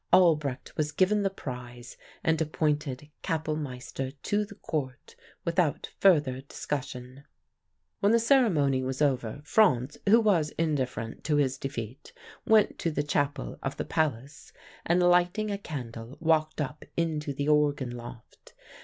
Albrecht was given the prize and appointed Kapellmeister to the Court without further discussion. "When the ceremony was over, Franz, who was indifferent to his defeat, went to the chapel of the palace, and lighting a candle, walked up into the organ loft.